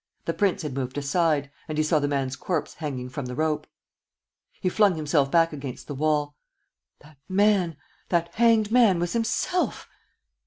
The prince had moved aside; and he saw the man's corpse hanging from the rope. He flung himself back against the wall. That man, that hanged man, was himself!